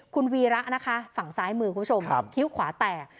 คุณวีระนะคะฝั่งซ้ายมือคุณผู้ชมคิ้วขวาแตก